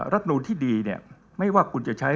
นูลที่ดีเนี่ยไม่ว่าคุณจะใช้